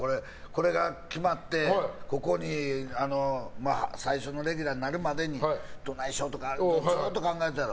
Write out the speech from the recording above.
これが決まって最初のレギュラーになるまでにどないしようとかずっと考えてたやろ。